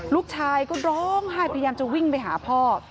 ลูกชายก็ร้องไห้พยายามจะวิ่งไปหาพ่อ